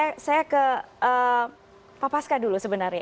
dan saya ke pak paska dulu sebenarnya